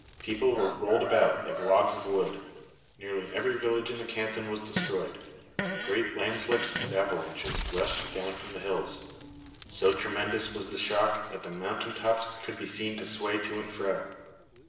People were rolled about like logs of wood. Nearly every village in the canton was destroyed. Great landslips and avalanches rushed down from the hills. So tremendous was the shock that the mountain tops could be seen to sway to and fro.